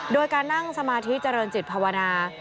โดยการนั่งสมาธิเจริญจิตภาวนา